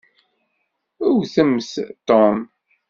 Wwtemt Tom.